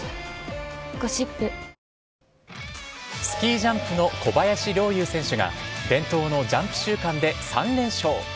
スキージャンプの小林陵侑選手が伝統のジャンプ週間で３連勝。